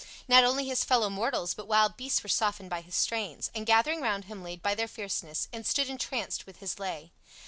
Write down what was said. Not only his fellow mortals but wild beasts were softened by his strains, and gathering round him laid by their fierceness, and stood entranced with his lay.